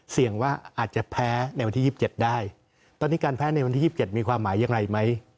เสียงว่าอาจจะแพ้ในวันที่ยี่สิบเจ็ดได้ตอนนี้การแพ้ในวันที่ยี่สิบเจ็ดมีความหมายอย่างไรไหม